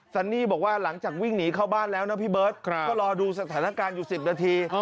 ซันนี่บอกว่าหลังจากวิ่งหนีเข้าบ้านแล้วนะพี่เบิร์ตก็รอดูสถานการณ์อยู่๑๐นาที